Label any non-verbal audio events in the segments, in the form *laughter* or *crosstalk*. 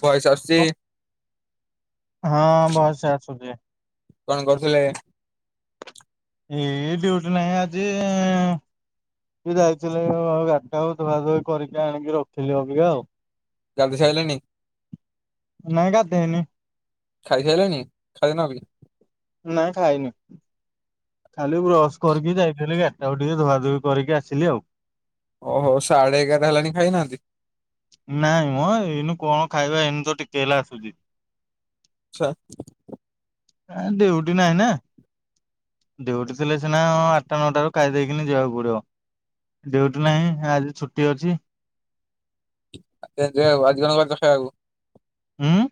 ଭାଇ ଆସୁଛି। କ ହଁ ଭଏସ ଆସୁଛି। କଣ କରୁଥିଲେ? ଏ ଡ୍ୟୁଟି ନାଇ ଆଜି। ଯାଇଥିଲେ ଆଉ ଗାଟା ଧୁଆ ଧୁଇ କରିକି ଆଣିକି ରଖିଲି ଅବିକା ଆଉ। ଗାଧେଇ ସାଇଲଣି? ନାଇଁ ଗାଧେଇନି। ଖାଇ ସାଇଲେଣି ଖାଇନ ବି? ନାଁ ଖାଇନି ଖାଲି ବ୍ରସ୍ କରକି ଯାଇଥିଲି। ଆଉ ଟିକେ ଧୁଆ ଧୁଇ କରିକି ଆସିଲି ଆଉ। ଓହୋ ସାଢେ ଏଗାରଟା ହେଲାଣି ଖାଇନାହାନ୍ତି। ନାଇଁ ମ ଏଇନୁ କଣ ଖାଇବା ଏନୁ ତ ଟିକେ ହେଲା ଆସୁଛି। ଛ ଡିଉଟି ନାହିଁ ନା। ଡିଉଟି ଥିଲେ ସିନା ଆଠଟା ନଅଟାରୁ ଖାଇ ଦେଇକିନି ଯିବାକୁ ପଡିବ। ଡିଉଠ ନାହିଁ ଆଜି ଛୁଟି ଅଛି। *unintelligible* ହଁ?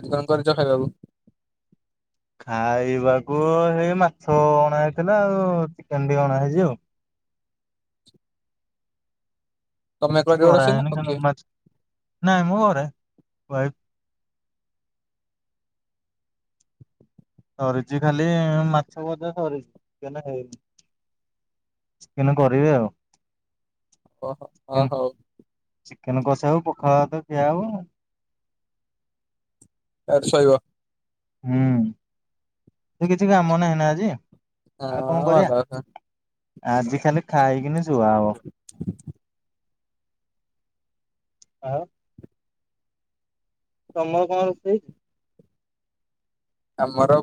ଆଜି କଣ କରିଛ ଖାଇବାକୁ? ଖାଇବାକୁ ହେଇ ମାଛ ଅଣା ହେଇଥିଲା ଆଉ ଚିକେନ ଟିକେ ଅଣା ହେଇଛି ଆଉ। ତମେ କିଛି କରିବ ରୋଷେଇ ନା କରାହେଇନି ଆଉ ଖା କିଏ ମାଛ ନାଇଁ ମୁଁ ଘରେ ଭାଇ ସରିଛି ଖାଲି ମାଛ ବଜା ସରିଛି ଚିକେନ୍ ହେଇନି। ଚିକେନ୍ କରିବେ ଆଉ। ଓହୋ ଓ ଚିକେନ ହଉ। ଚିକେନ କଷା ଆଉ ପୋଖାଳ ଭାତ କ୍ଷିଆ ହବ ଆଉ। ଏରେ ଶୋଇବ। ହୁଁ ସେ କିଛି କାମ ନାହିଁ ନା ଆଜି। ହଁ ଆଉ କଣ ଭଲ କରିବା କଥା। ଆଜି ଖାଲି ଖାଇ କିନା ସୁଆ ହେବ। ଆଉ ତମର କଣ ରୋଷେଇ? ଆମର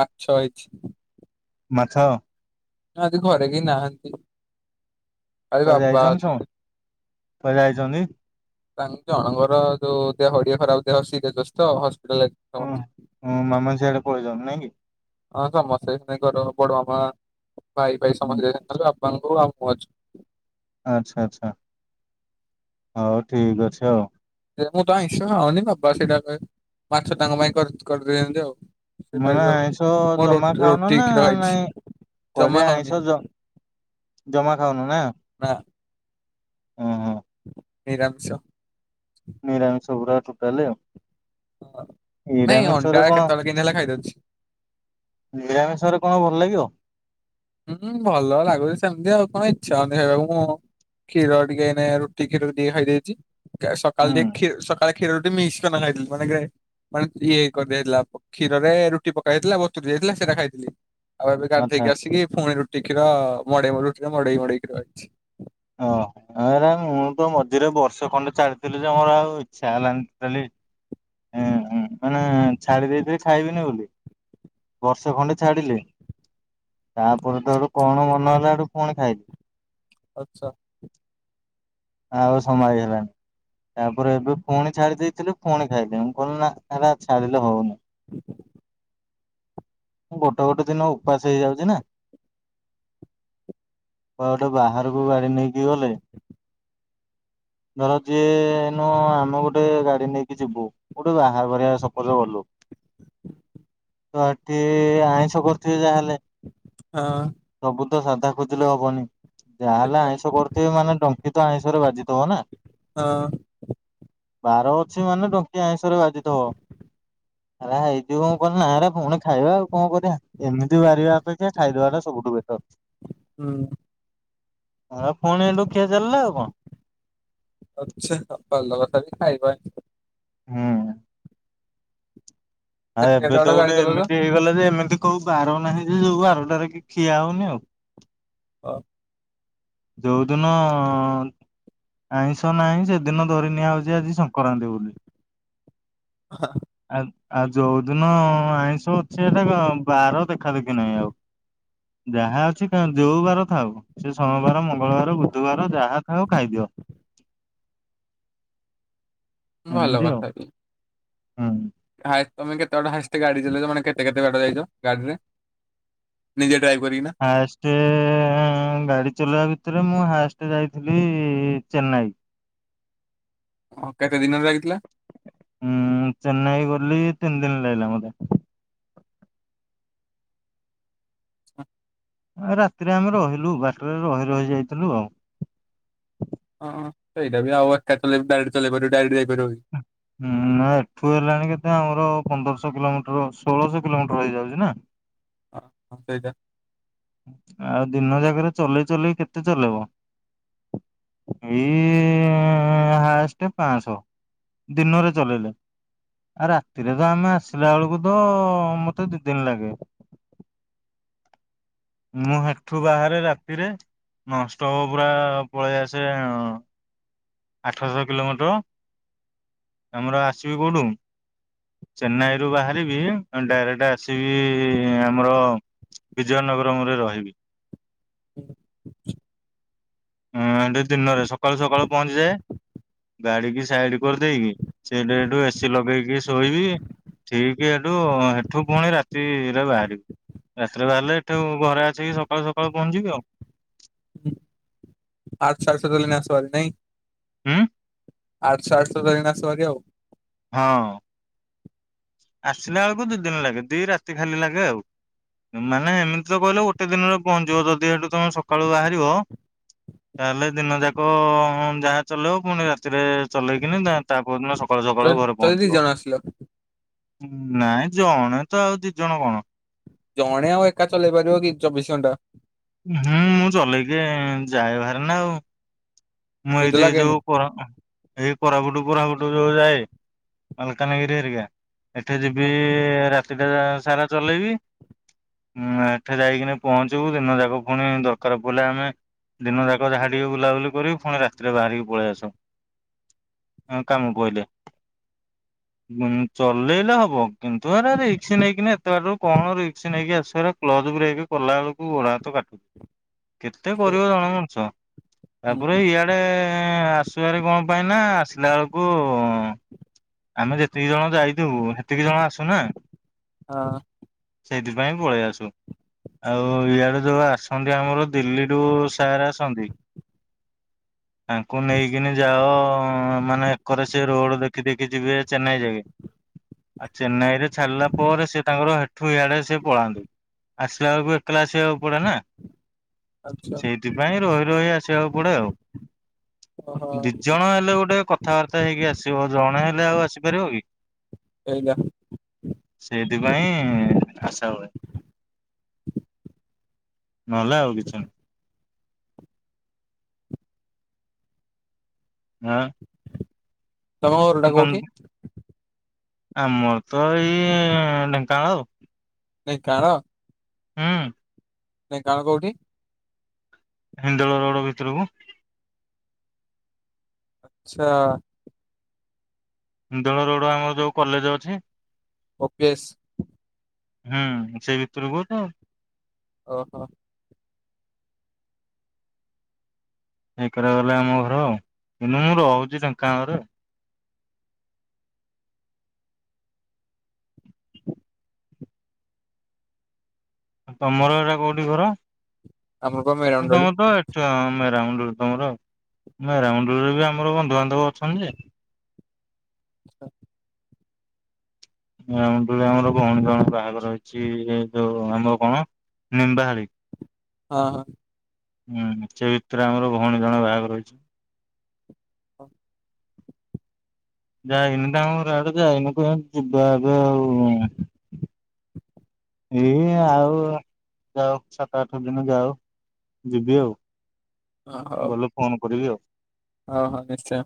ମାଛ ହେଇଛି। ମାଛ। ଜି ଘରେ କେହି ନାହାନ୍ତି। ଖାଲି କୁଆରେ ବାବା ଯାଇଛନ୍ତି ସବୁ। ଅଛନ୍ତି କୁଆରେ ଯାଇଛନ୍ତି। ତା ଜଣଙ୍କର ଯୋଉ ଦେହ ହଡିଏ ଖରାପ ଦେହ ସ ହସ୍ପିଟାଲରେ ଓଁଁ ମାମା ସିଆଡେ ପଳେଇଛନ୍ତି ନାଇଁ କି। ହଁ ସମସ୍ତେ ଘର ବଡ ମାମ ଭାଇ ଭାଇ ସମସ୍ତେ ଯାଇଲେ ବାପାଙ୍କୁ ଆଉ ମୁ ଅଛୁ। ଆଚ୍ଛା ଆଚ୍ଛା ହଉ ଠିକ ଅଛି ହଉ। ମୁଁ ତ ଆଇଁଷ ଖାଉନି ବାବା ସେଇଟା ମାଛ ତାଙ୍କ ପାଇଁ କରିଦେଇଥାଛନ୍ତି ଆଉ। ସେ ମାନେ ଖାଇବେ ଆଉ ଆଇଁଷ ମୁଁ ରୋ ଜମା ଖାଉନ ରୁଟି ନା କ୍ଷୀର ଖାଇଛି ନାଇଁ ଜମା କହିଲେ ଖାଉନି ଆଇଁଷ ଜମା ଖାଉନୁ ନା। ନା। ଓ ହଁ। ନିରାମିଷ। ନିରାମିଷଗୁରା ଟୁଟାଲେ ଆଉ। ହ ନାଇଁ ନିରାମିଷରେ ଅଣ୍ଡା କଣ କେତେବେଳେ କିନ୍ଧ ହେଲେ ଖାଇଦଉଛି। ନିରାମିଷରେ କଣ ଭଲ ଲାଗିବ। ହୁଁ ଭଲ ଲାଗୁଛି ସେମିତି ଆଉ କଣ ଇଚ୍ଛା ହଉନି ଖାଇବାକୁ। ମୁଁ କ୍ଷୀର ଟିକେ ରୁଟି କ୍ଷୀର ଟିକେ ଖଇଦେଇଛି ସକାଳ ହୁଁ ଟିକେ କା ଖଷୀରରୁୁ ମି୍ସଟ ନ ଖାଇଥିଲୁ ମାନକେ ମାନେ ଇଏଇ କରିଦେଇଥିଲା କ୍ଷୀରରେ ରୁଟି ପକେଇ ହୋଇଥିଲା ବସ୍ତୁ ଯାଇଥିଲା ସେଇଟା ଖାଇଥିଲି। ଆଉ ଏବେ ଆଚ୍ଛା ଗାଧେଇକି ଆସିକି ପୁଣି ରୁଟି କ୍ଷୀର ମେଇ ମ ରୁଟିର ମଡେଇ ମଡେଇ କ୍ଷୀର ହେଇଛି। ଓହୋ ଆ ମୁଁ ତ ମଝିରେ ବର୍ଷ ଖଣ୍ଡେ ଚାଲିଥିଲି ଯେ ମୋର ଆଉ ଇଚ୍ଛା ହେଲାନି ଟୋଟାଲି। ହଁଁ ମାନେ ଛାଡି ଦେଇେଇି ଖାଇବିନି ବୋଲି। ବର୍ଷ ଖଣ୍ଡେ ଛାଡିଲେ ତାପରେ ତ ପରେ ତ କଣ ମନ ହେଲା ଆଠୁ କଣ ଖାଇଲି। ଆଚ୍ଛା। ଆ ଆଉ ସମ୍ଭାଳି ହେଲାଣି। ତାପରେ ଏବେ ପୁଣି ଛାଡି ଦେଇେଇଥିଲୁ ପୁଣି ଖାଇଲେ ମୁଁ କହିଲି ନା ହେଲା ଛାଡିଲେ ହଉନି। *inaudible* ମୁଁ ଗୋଟେ ଗୋଟେ ଦିନ ଉପାସ ହେଇଯାଉଛି ନା। କଟେ ବାହାରକୁ ଗାଡି ନେଇକି ଗଲେ ଧର ଯିଏନୁ ଆମେ ଗୋଟେ ଗାଡି ନେଇକି ଯିବୁ ଗୋଠେ ବାହାର କରିବା ସପୋଜ ଗଲୁ ତ ଏଠି ଆଇଁଷ କରୁଥିବେ ଯାହାହେଲେ। ହଁ। ସବୁ ତ ସାଧା ଖୋଜିଲେ ହବନି ଯାହାହଲେ ଆଇଁଷ କର ସେ ମାନେ ଡଙ୍କି ତ ଆଇିଷରେ ବାଜିଥବ ନା। ହଁ। ବାର ଅଛି ମାନେ ଟଙ୍କି ଆଇିଁଷରେ ବାଜିଥବ। ହେ ହେଇ ଯିବଉ କଣ ନା ପୁଣି ଖାଇବା ଆଉ କଣ କରିବା ଏମିତି ବାହାରିବା ଅପେକ୍ଷା ଖାଇଦବା ଟା ସବୁଠୁ ବେଟର। ହୁଁ। ଆଉ ପୁଣି ଲୁଖିଆ ଚାଲିଲା ଆଉ କଣ। ଆଚ୍ଛା ଭଲ କଥା ବି ଖାଇବନ। ହୁଁ। ଆଉ କେତେ ଏବେ କେତେ ତ ବାଟ ଗାଡି ଗୋଟେ ଚଲଉଛ? ଏମିତି ହେଇଗଲା ଯେ ଏମିତି କୋଉ ବାର ନାହିଁ ଯେ ଯୋଉ ବାରଟାରେ କି ଖିଆ ହଉନି ଆଉ। ହଁ। ଯୋଉଦିନ ଆଇଁଷ ନାହିଁ ସେଦିନ ଧରି ନିଆହଉଛି ଆଜି ସଂକ୍ରାନ୍ତି ବୋଲି। ଆ ଆଉ ଯୋଉଦିନ ଆଇଁଷ ଅଛି ଏଟା ବାର ଦେଖା ଦେଖି ନାହିଁ ଆଉ। ଯାହା ଅଛି ଖାଆନ୍ତୁ ଯୋଉବାର ଥାଉ ସେ ସମ ଗୁବାର ମଙ୍ଗଳବାର ବୁଧବାର ଯାହା ଥାଉ ଖାଇଦିଅ। ଭଲ ଏମିତି ଆଉ ହୁଁ। ହାଇ ତମେ କେତେଟ ହାଇଷ୍ଟ ଗାଡି ଚଲେଇଛ ମାନେ କେତେ କେତେ ବାଟା ଯାଇଛ ଗାଡିରେ? ନିଜେ ଡ୍ରାଇଭ କରିକି ନା? ହାଷ୍ଟ-ଏ-ଏ ଗାଡ଼ି ଚଲାଇବା ଭିତରେ ମୁଁ ହାଷ୍ଟ ଯାଇଥିଲି ଚେନ୍ନାଇ। ଓ କେତେ ଦିନ ଲାଗିଥିଲା? ଉଁ ଚେନ୍ନାଇ ଗଲି ତିନି ଦିନ ଲାଗିଲା ମତେ। ହ ରାତିରେ ଆମେ ରହିଲୁ, ବାଟରେ ରହି ରହି ଯାଇଥିଲୁ ଆଉ। ହଁ ସେଇଟା ବି ଆଉ ଏକା ଚଲେଇକି ଡାଇରେଟ ଯାଇପାରିବ କି? ହଁ *unintelligible* ଉଁ ନା ଏଠୁ ହେଲାଣି କେତେ ଆମର ପନ୍ଦରଶହ କିଲୋମିଟର ଷୋହଳଶହ କିଲୋମିଟର ହେଇଯାଉଛି ନା। ହଁ ହ ସେଇଟା। ଆଉ ଦିନ ଜାଗାରେ ଚଲେଇ ଚଲେଇ କେତେ ଚଲେଇବ। ଏଇ ହାଷ୍ଟ ପାଂସ। ଦିନରେ ଚଲେଇଲେ। ଆ ରାତିରେ ତ ଆମେ ଆସିଲା ବେଳକୁ ତ ମତେ ଦି ଦିନ ଲାଗେ। ମୁଁ ହେଠୁ ବାହାରେ ରାତିରେ ନନଷ୍ଟପ ପୁରା ପଳେଇ ଆସେ ଆଠଶହ କିଲୋମିଟର। ଆମର ଆସିବି କୋଉଠୁ ଚେନ୍ନାଇରୁୁ ବାହାରିବି ଡାଇରେକ୍ଟ ସେ ଆସିବି ଆମର ବିଜୟନଗରମରେ ରହିବି। *inaudible* ହଁ ଏଠି ଦିନରେ ସକାଳୁ ସକାଳୁ ପହଞ୍ଚିଯାଏ ଗାଡି କି ସାଇଡ କରିଦେଇକି ସେଠି ଏଠୁ ଏସିି ଲଗେଇକି ଶୋଇବି। ଠିକ ଏଠୁ ହେଠୁ ପୁଣି ରାତିରେ ବାହାରିବୁ। ରାତିରେ ବାହାରିଲେ ଏଠୁ ଘରେ ଆସିକି ସକାଳୁ ସକାଳୁ ପହଞ୍ଚିବି ଆଉ। *unintelligible* ହୁଁ ଆଠଶହ ଆଠଶହ ଧରିି କିନା ଆସ *unintelligible* ହଁ ଆସିଲା ବେଳକୁ ଦି ଦିନ ଲାଗେ ଦି ରାତି ଖାଲି ଲାଗେ ଆଉ। ମାନେ ଏମିତି ତ କହିଲ ଗୋଟେ ଦିନରେ ପହଞ୍ଚିବ ଯଦି ସେଠୁ ତମେ ସକାଳୁ ବାହାରିବ ତାହେଲେ ଦିନ ଯାକ-ଅ ଯାହା ଚଲେଇବ ପୁଣି ରାତିରେ ଚଲେଇକିନା ତା ପରଦିନ ସକାଳୁ ସକାଳ ଯଦି ଘରେ ଯଦି ଦି ପହଞ୍ଚିବ। ଜଣ ଆସିଲ ନାଇଁ ଜଣେ ତ ଆଉ ଦି ଜଣ କଣ? ଜଣେ ଆଉ ଏକା ଚଲେଇ ପାରିବ କି ଚବିଶ ଘଣ୍ଟା। ହୁଁ ମୁଁ ଚଲେଇକି ଯାଏ ବାହାର ନା ଆଉ। ମୁଁ ଏଇ ନିଦ ଦେଇ ଯଉ ଲାଗେନି କ ଏଇ କୋରାପୁଟୁ କୋରାପୁଟୁ ଯୋଉ ଯାଏ ମାଲକାନଗିରି ହେରିକା ଏଠି ଯିବି ହଁ ରାତିଟା ସାରା ଚଲେଇବି। ଉଁ ଏଠି ଯାଇକିନା ପହଞ୍ଚିବୁ ଦିନ ଯାକ ପୁଣି ଦରକାର ପଡ଼ିଲେ ଆମେ ଦିନ ଯାକ ଯାହା ଟିକିଏ ବୁଲାବୁଲି କରିବୁ ପୁଣି ରାତିରେ ବାହାରିକି ପଳେଇ ଆସ। କାମ ପଇଲେ। ଉଁ ଚଲେଇଲେ ହବ କିନ୍ତୁ ଆରେ ରିକ୍ସ ନେଇକି ନା ଏତେ ବାଟରୁ କଣ ରିକ୍ସ ନେଇକି ଆସିବ କ୍ଲଯ ବ୍ରେକ କଲା ବେଳକୁ ଗୋଡ ହାତ କାଟୁଛି କେତେ ସେ- କରିବ ଜଣେ ମଣିଷ। ହୁଁ, ଇଆଡେ ଆସିବାରେ କଣ ପାଇଁ ନା ଆସିଲା ବେଳକୁ ଆମେ ଯେତିକି ଜଣ ଯାଇଥିବୁ ସେତିକି ଜଣ ଆସୁ ନା। ହଁ। ସେଇଥିପାଇଁ ପଳେଇ ଆସୁ। ଆଉ ଇଆଡେ ଯୋଉ ଆସନ୍ତି ଆମର ଦିଲ୍ଲୀ ରୁ ସାର୍ ଆସନ୍ତି। ତାଙ୍କୁ ନେଇକିନି ଯାଅ ମାନେ ଏକରେ ସେ ରୋଡ ଦେଖି ଦେ ଯିବେ ଚେନ୍ନାଇ ଯାଇକି ଆଉ ଚେନ୍ନାଇ ରେ ଛାଡ଼ିଲା ପରେ ସେ ତାଙ୍କର ହେଠୁ ଇଆଡେ ସେ ପଳାନ୍ତୁ। ଆସିଲା ବେଳକୁ ଏକଲା ଆସିବାକୁ ପଡେନା ଆଚ୍ଛା ସେଇଥିପାଇଁ ରହି ରହି ଆସିବାକୁ ପଡେ ଆଉ ଓହୋ ଦି ଜଣ ହେଲେ ଗୋଟେ କଥାବାର୍ତ୍ତା ହେଇକି ଆସିବ ଜଣେ ହେଲେ ଲେ ଆଉ ଆସିପାରିବ କି? ଏଇଟା ସେଇଥିପାଇଁ ଆସା ହୁଏ। ନହେଲେ ଆଉ କିଛି ନାହିଁ। ହଁ ତମ ଘରଟା କୋଉଠି? ଆମର ତ ଏଇ ଢେଙ୍କାନାଳ ଆଉ ଢେଙ୍କାନାଳ ହଁ ଢେଙ୍କାନାଳ କୋଉଠି? ହିନ୍ଦୋଳ ରୋଡ ଭିତରକୁ ଆଚ୍ଛା ଇନ୍ଦୋଳ ରୋଡ ଆମର ଯୋଉ କଲେଜ ଅଛି। କପିଳେଶ୍ ହୁଁ ସେଇ ଭିତର କୁ ତ ଓହୋ ଢେଙ୍କାନାଳରେ ଆମ ଘର ଆଉ କିନ୍ତୁ ମୁଁ ରହୁଛି ଢେଙ୍କାନାଳରେ *inaudible* ଆଉ ତମର ଏଇଟା କୋଉଠି ଘର? ଆମେ ପା ମେ ତମ ତ ଏ ଚ ମେରାମୁଣ୍ଡୁଳି ତମର ମେରାମୁଣ୍ଡୁଳିରେ ବି ଆମର ବନ୍ଧୁବାନ୍ଧବ ଅଛନ୍ତି ଯେ ଆଚ୍ଛା। ମେରାମୁଣ୍ଡୁଳି ଆମର ଭଉଣୀ ଜଣେ ବାହାଘର ଅଛି ଏ ଯୋଉ ଆମର କଣ ନିମ୍ବାହାଳି ହଁ ହଁ। ହୁଁ ସେ ଭିତରେ ଆମର ଭଉଣୀ ଜଣେ ବାହାଘର ହେଇଛି। ହଁ। ଯାଇନି ମୁଁ ତାଙ୍କ ଘର ଆଡେ ଯାଇନି କ ଯିବା ଏବେ ଆଉ ଏଇ ଆଉ ଯାଉ ସାତ ଆଠ ଦିନ ଯାଉ ଯିବି ଆଉ ଗଲେ ଫୋନ କରିବି ଆଉ ହଁ ହଁ ନିଶ୍ଚୟ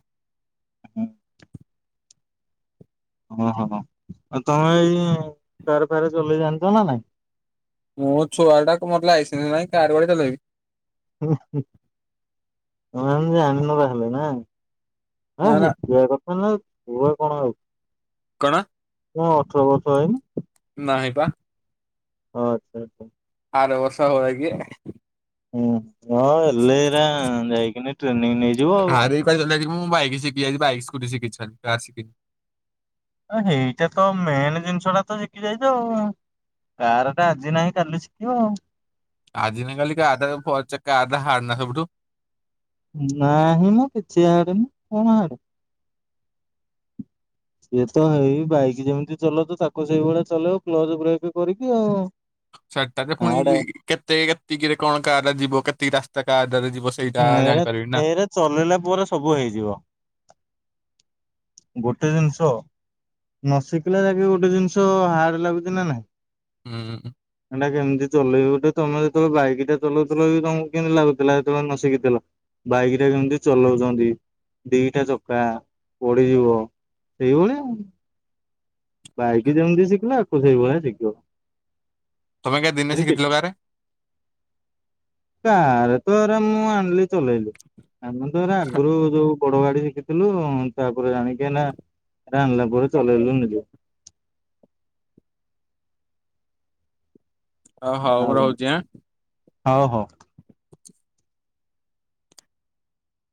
ଓହୋ ଆଉ ତମେ ଏଇ ଫାର ଫାରେ ଚଲେଇ ଯାଣିଛ ନା ନାଇଁ? ମୋ ଛୁଆଟାକୁ ମୋର ଲାଇସେନ୍ସହିଁ କାର୍ *unintelligible* ଇବି ହୁଁ ହୁଁ ତମେ ଆମେ ଜାଣିନ ତାହେଲେ ନା ହଁ ନା ନା ହେଇଖିବା କଥା ନା ପୁ କଣ ହଉଛି। କଣ? ତୁମ ଅଠର ବର୍ଷ ହେଇନି ନାହିଁ ପା। ଓ ଆଚ୍ଛା ଆଚ୍ଛା। ଆର ବର୍ଷ ହବ ଯାଇକି ହଁ ହଁ ହେଲେ ଏରା ଯାଇକିନା ଟ୍ରେନିଂ ନେ ଆଁ *unintelligible* ମୁଁ ବାଇକ ଶିଖିଯାଇଛି ବାଇକ ସ୍କୁଟି ଶିଖିଛନ୍ତି କାର୍ ଶିଖିନି ହଁ ଏଇଟା ତ ମେନ୍ ଜିନିଷଟା ତ ଜିନିଷଟା ତ ଶିଖି ଯାଇଛ ଆଉ କାର ଟା ଆଜି ନାହିଁ କାଲି ଶିଖିବ ଆଜିିନ କାଲିିକା ଆଧାଚ ଆଧା ହାଡ ନା ସବୁଠୁ ନାହିଁ ମ କିଛି ହାର୍ଡ଼ ନୁ କଣ ହାଡେ? ଇଏ ତ ହେଇ ବାଇକ ଯେମିତି ଚଲଉଛ ତାକୁ ସେଇ ଭଳିଆ ଚଳେଇବ କ୍ଲଜ ବ୍ରେକ୍ କରିକି ଆଉ। ସେଟାରେ ହାଡେ ପୁଣି କେତେ କେତିକିରେ କଣ କାର ଯିବ କେତିକି ରାସ୍ତା କାରଟାରେ ଯିବ। ସେଇଟା ହୁଁ ଏରେ ଜାଣିପାରିବି ନା ଏରା ଚଲେଇଲା ପରେ ସବୁ ହେଇଯିବ। ଗୋଟେ ଜିନିଷ ନଶିକିଲା ଯାକେ ଗୋଟେ ଜିନିଷ ହାର୍ଡ ଲାଗୁଛି ନା ନାଇଁ। ହୁଁ। ଏଟା କେମିତି ଚଲେଇବ ଗୋଟେ ତମେ ଯେତେବେଳେ ବାଇକଟା ଚଲାଉଥିଲ ବି ତମକୁ କେମିତି ଲାଗୁଥିଲା? ତେବେ ନ ଶିଖିଥିଲ ବାଇକଟା କେମତି ଚଲଉଛନ୍ତି? ଦିଟା ଚକା ପଡିଯିବ ସେଇ ଭଳିଆ ଆଉ। ବାଇକି ଯେମିତି ଶିଖିଲ ୟାକୁ ସେଇ ଭଳିଆ ଶିଖିବ। ତମେଁ କା ଦିନେ ଏରେ କିଛି ଶିଖିଥିଲ କାରେ? କାରେ ତ ଏରା ମୁଁ ଆଣିଲି ଚଲେଇଲି। ଆମେ ତ ଆଗରୁ ଯୋଉ ବଡ ଗାଡି ଶିଖିଥିଲୁ ତା ଆଗରୁ ଜାଣିକିନା ଏରା ଅନିଲା ପରେ ଚଲେଇଲୁ ନିଜେ। ଓ ହଉ ଆଉ ମୁଁ କଣ ରହୁଛି ଆଁ। ହଉ ହଉ।